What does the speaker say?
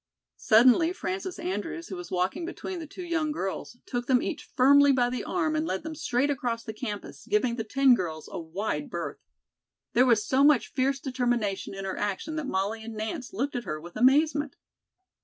Suddenly Frances Andrews, who was walking between the two young girls, took them each firmly by the arm and led them straight across the campus, giving the ten girls a wide berth. There was so much fierce determination in her action that Molly and Nance looked at her with amazement.